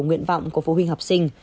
nguyện vọng của phụ huynh học sinh